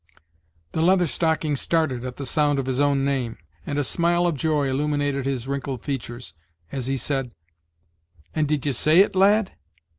The Leather Stocking started at the sound of his own name, and a smile of joy illuminated his wrinkled features, as he said: "And did ye say It, lad?